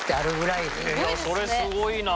いやそれすごいなあ。